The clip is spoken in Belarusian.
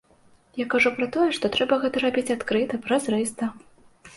Я кажу пра тое, што трэба гэта рабіць адкрыта, празрыста.